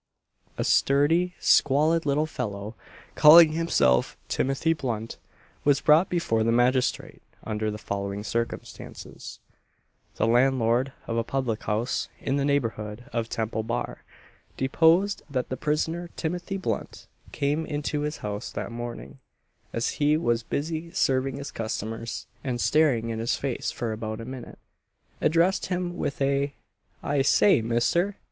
A sturdy, squalid little fellow, calling himself Timothy Blunt, was brought before the magistrate under the following circumstances: The landlord of a public house in the neighbourhood of Temple Bar, deposed that the prisoner, Timothy Blunt, came into his house that morning, as he was busy serving his customers, and staring in his face for about a minute, addressed him with a "I say, Mister!